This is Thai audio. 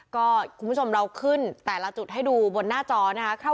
ก็คุณผู้ชมเราขึ้นแต่ละจุดให้ดูบนหน้าจอนะคะ